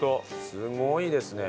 すごいですね。